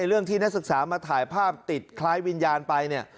เรื่องที่นักศึกษามาถ่ายภาพติดคล้ายวิญญาณไปเนี่ย